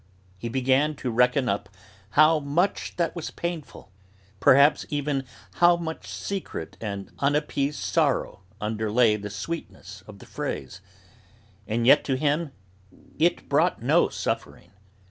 He began to reckon up how much that was painful, perhaps even how much secret and unappeased sorrow underlay the sweetness of the phrase; and yet to him it brought no suffering.